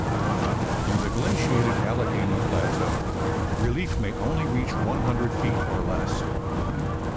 In the glaciated Allegheny Plateau, relief may only reach one hundred feet or less.